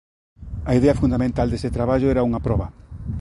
A idea fundamental deste traballo era unha proba.